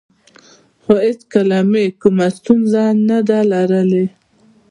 خو هېڅکله مې کومه ستونزه نه ده لرلې